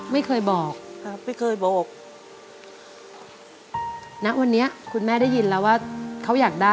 ไม่เคยบอก